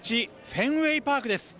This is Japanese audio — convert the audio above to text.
フェンウェイパークです。